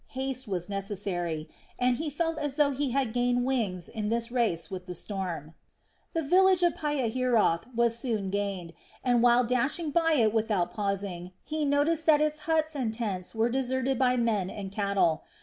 Haste was necessary, and he felt as though he had gained wings in this race with the storm. The village of Pihahiroth was soon gained, and while dashing by it without pausing, he noticed that its huts and tents were deserted by men and cattle.